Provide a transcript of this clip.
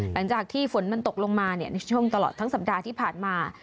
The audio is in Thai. หลังจากที่ฝนมันตกลงมาในช่วงตลอดทั้งสัปดาห์ที่ผ่านมา